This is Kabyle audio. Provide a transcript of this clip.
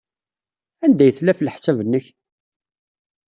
Anda ay tella, ɣef leṣab-nnek?